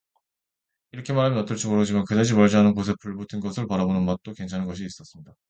이렇게 말하면 어떨지 모르지만, 그다지 멀지 않은 곳에서 불붙는 것을 바라보는 맛도 괜찮은 것이었습니다.